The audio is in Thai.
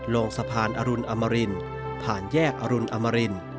ลงสะพานอรุณอมรินผ่านแยกอรุณอมริน